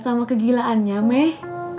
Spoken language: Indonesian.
sama kegilaannya meh